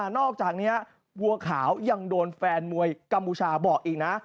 นอกจากนี้วัวขาวยังโดนแฟนมวยกัมพูชาบอกอีกนะ